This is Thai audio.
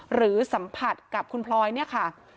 หรือสัมผัสกับคุณพลอยเนี่ยค่ะ